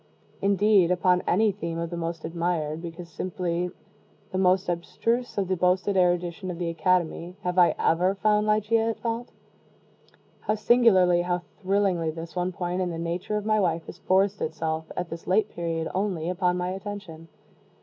Indeed upon any theme of the most admired because simply the most abstruse of the boasted erudition of the Academy, have I ever found Ligeia at fault? How singularly how thrillingly, this one point in the nature of my wife has forced itself, at this late period only, upon my attention!